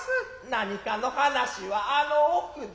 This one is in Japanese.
何かの話はあの奥で。